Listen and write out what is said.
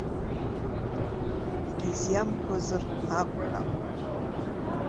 Егьизиамҳәозар акәхап.